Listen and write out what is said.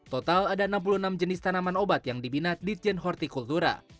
total ada enam puluh enam jenis tanaman obat yang dibina ditjen hortikultura